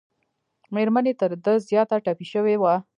مېرمن یې تر ده زیاته ټپي شوې وه.